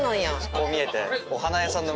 こう見えて。